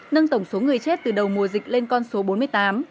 nâng tổng số người chết từ đầu mùa dịch lên con số bốn mươi tám